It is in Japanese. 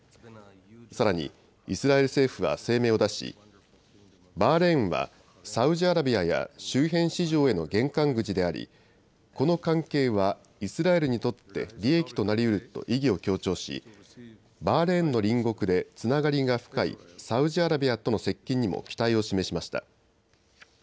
さらに、イスラエル政府は声明を出しバーレーンはサウジアラビアや周辺市場への玄関口でありこの関係はイスラエルにとって利益となりうると意義を強調しバーレーンの隣国でつながりが深いサウジアラビアとの接近にも期待を示しました。